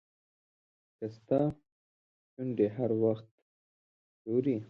که ستا شونډې هر وخت ښوري.